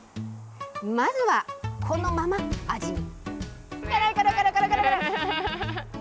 まずはこのまま味見。